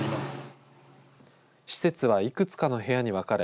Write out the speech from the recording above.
施設はいくつかの部屋に分かれ